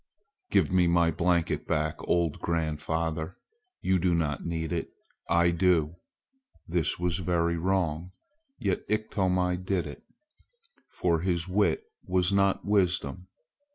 "Give my blanket back, old grandfather! You do not need it. I do!" This was very wrong, yet Iktomi did it, for his wit was not wisdom.